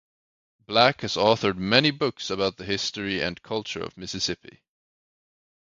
Black has authored many books about the history and culture of Mississippi.